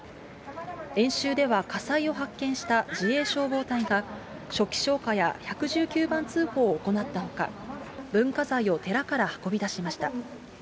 演習では火災を発見した自衛消防隊が、初期消火や１１９番通報を行ったほか、文化財を寺から運び出しました。